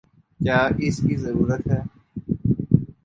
کیا اس کی ضرورت ہے؟